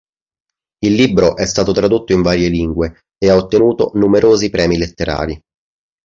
Il libro è stato tradotto in varie lingue e ha ottenuto numerosi premi letterari.